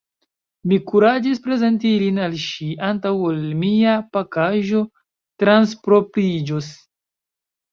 Mi kuraĝis prezenti ilin al ŝi, antaŭ ol mia pakaĵo transpropriĝos.